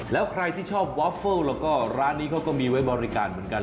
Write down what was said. แล้วใครที่ชอบวอฟเฟิลแล้วก็ร้านนี้เขาก็มีไว้บริการเหมือนกัน